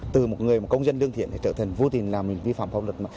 từ một người công dân đương thiện trở thành vô tình làm vi phạm pháp luật